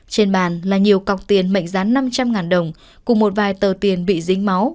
trên bàn là nhiều cọc tiền mệnh giá năm trăm linh đồng cùng một vài tờ tiền bị dính máu